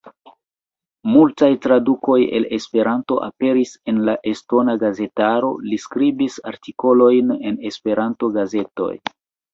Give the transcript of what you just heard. Multaj tradukoj el Esperanto aperis en la estona gazetaro; li skribis artikolojn en Esperanto-gazetoj.